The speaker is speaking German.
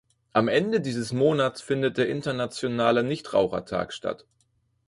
Am Ende dieses Monats findet der Internationale Nichtrauchertag statt.